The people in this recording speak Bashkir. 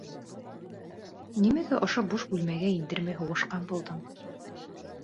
Нимәгә ошо буш бүлмәгә индермәй һуғышҡан булдың?